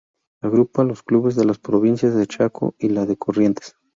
Agrupa a los clubes de las provincias de Chaco y la de Corrientes.